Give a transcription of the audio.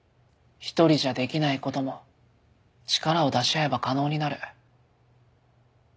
一人じゃできないことも力を出し合えば可能になる。